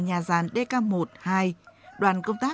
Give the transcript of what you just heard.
nhiều bạn trẻ nhiều chiến sĩ trẻ